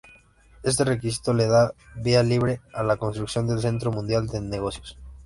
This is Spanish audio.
Este requisito le da vía libre a la construcción del Centro Mundial de Negocios.